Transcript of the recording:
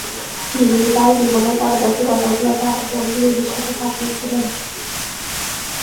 তিনি তার জীবনের পরবর্তী বছরগুলি তার বোন লিলির সাথে কাটিয়েছিলেন।